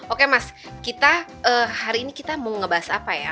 oke mas hari ini kita mau ngebahas apa ya